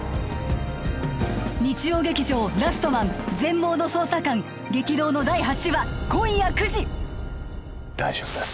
日曜劇場「ラストマン−全盲の捜査官−」激動の第８話今夜９時大丈夫です